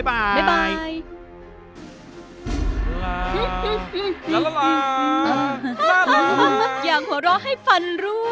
บ๊ายบาย